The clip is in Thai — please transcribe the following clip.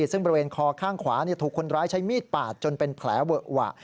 ซึ่งบริเวณคอข้างขวาถูกคนร้ายใช้มีดปาดจนเป็นแผลเวอะหวะ